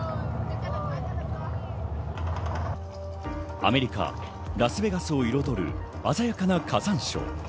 アメリカ・ラスベガスを彩る鮮やかな火山ショー。